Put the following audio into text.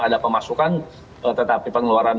ada pemasukan tetapi pengeluaran